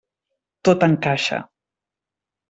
Tot encaixa.